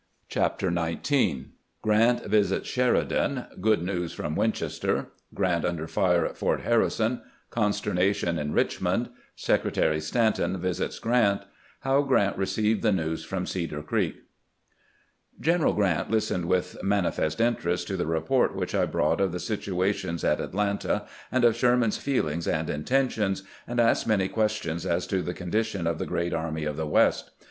CHAPTER XIX GBANT VISITS SHEEIDAN — GOOD NEWS FROM WINCHESTER — GEANT UNDEE FIRE AT FORT HARRISON — CONSTERNA TION IN RICHMOND — SECRETARY STANTON VISITS GRANT — HOW GEANT EECEIVED THE NEWS FEOM CEDAE CREEK GENERAL GRANT listened with manifest interest to tlie report wMch I brought of the situation at Atlanta, and of Sherman's feelings and intentions, and asked many questions as to the condition of the great army of the West.